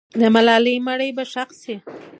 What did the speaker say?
د ملالۍ مړی به ښخ سي.